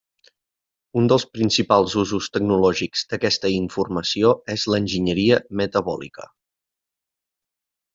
Un dels principals usos tecnològics d'aquesta informació és l'enginyeria metabòlica.